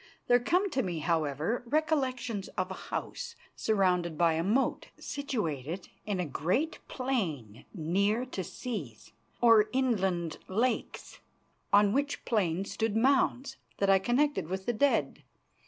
There come to me, however, recollections of a house, surrounded by a moat, situated in a great plain near to seas or inland lakes, on which plain stood mounds that I connected with the dead.